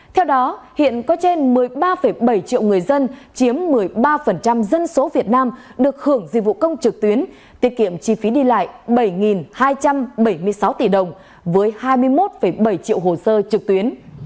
theo đó hiện có trên một mươi ba bảy triệu người dân chiếm một mươi ba dân số việt nam được hưởng dịch vụ công trực tuyến tiết kiệm chi phí đi lại bảy hai trăm bảy mươi sáu tỷ đồng với hai mươi một bảy triệu hồ sơ trực tuyến